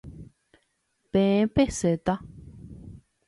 Peẽ pesẽta.